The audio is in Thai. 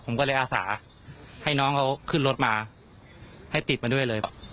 ผมก็เลยอาสาให้น้องเขาขึ้นรถมาให้ติดมาด้วยเลย